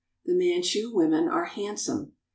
The Manchu women are handsome.